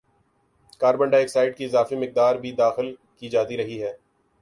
carbon dioxide کی اضافی مقدار بھی داخل کی جاتی رہتی ہے